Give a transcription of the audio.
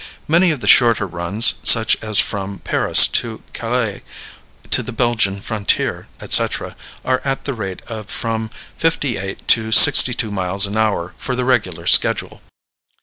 Many of the shorter runs, such as from Paris to Calais, to the Belgian frontier, etc., are at the rate of from fifty eight to sixty two miles an hour for the regular schedule.